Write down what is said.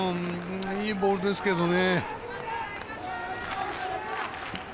いいボールですけどね。